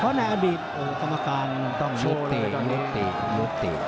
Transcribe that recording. เพราะในอดีตโอ้คำอาการมันต้องยุติยุติยุติ